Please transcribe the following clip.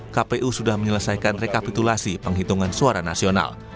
kpu sudah menyelesaikan rekapitulasi penghitungan suara nasional